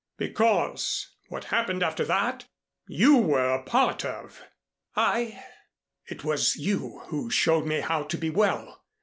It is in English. "Because what happened after that, you were a part of." "I?" "It was you who showed me how to be well.